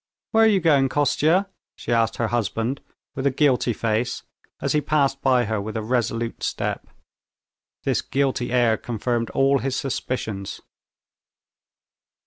"Where are you going, Kostya?" she asked her husband with a guilty face, as he passed by her with a resolute step. This guilty air confirmed all his suspicions.